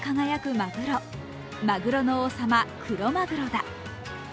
マグロの王様、クロマグロだ。